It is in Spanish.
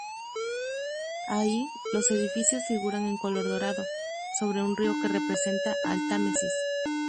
Ahí, los edificios figuran en color dorado, sobre un río que representa al Támesis.